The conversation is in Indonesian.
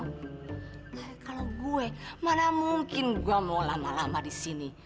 kalau gue mana mungkin gue mau lama lama di sini